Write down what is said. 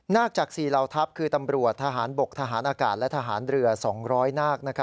จาก๔เหล่าทัพคือตำรวจทหารบกทหารอากาศและทหารเรือ๒๐๐นาค